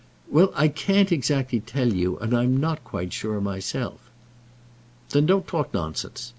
"Well, I can't exactly tell you, and I'm not quite sure myself." "Then don't talk nonsense.